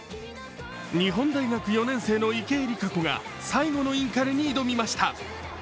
日本大学４年生の池江璃花子が最後のインカレに挑みました。